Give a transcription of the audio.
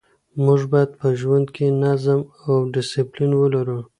موږ باید په ژوند کې نظم او ډسپلین ولرو.